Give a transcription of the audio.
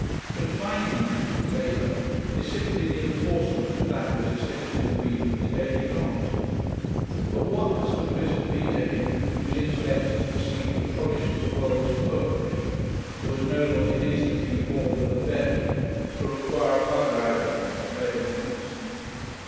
Confinement, with labour, is simply the enforcement of that which has hitherto been his daily lot. But what must a prison be to him whose intellect has received the polish of the world's poetry, who has known what it is to feed more than the belly, to require other aliment than bread and meat?